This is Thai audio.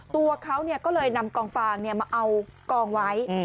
ตัวเขาก็เลยนำกองฟางมาเอากองไว้